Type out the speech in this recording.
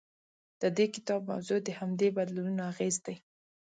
د دې کتاب موضوع د همدې بدلونونو اغېز دی.